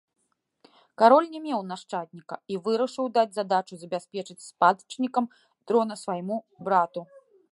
Кароль не меў нашчадніка і вырашыў даць задачу забяспечыць спадчыннікам трона свайму брату.